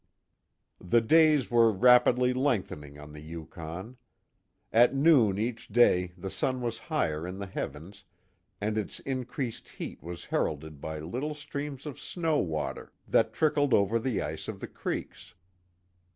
The days were rapidly lengthening on the Yukon. At noon each day the sun was higher in the heavens and its increased heat was heralded by little streams of snow water that trickled over the ice of the creeks.